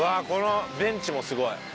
このベンチもすごい。